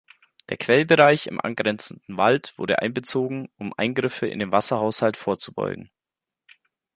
Der Quellbereich im angrenzenden Wald wurde einbezogen, um Eingriffe in den Wasserhaushalt vorzubeugen.